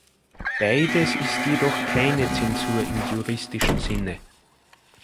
Beides ist jedoch keine Zensur im juristischen Sinne.